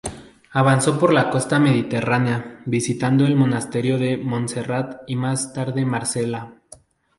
Avanzó por la costa mediterránea, visitando el Monasterio de Montserrat y más tarde Marsella.